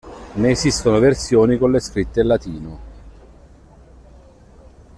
Ne esistono versioni con le scritte in latino.